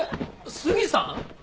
杉さん？